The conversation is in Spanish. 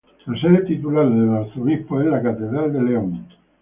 La sede titular del arzobispo es la Catedral de León.